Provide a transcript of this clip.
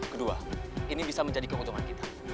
kedua ini bisa menjadi keuntungan kita